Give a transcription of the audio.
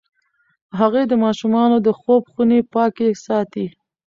هغې د ماشومانو د خوب خونې پاکې ساتي.